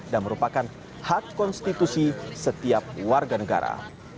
dan merupakan hak konstitusi setiap warga negara